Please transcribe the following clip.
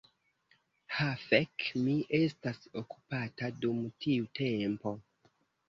Ha fek' mi estas okupata dum tiu tempo